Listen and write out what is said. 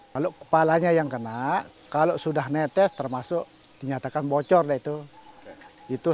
kalau kepalanya yang kena kalau sudah netes termasuk dinyatakan bocor itu sudah kalah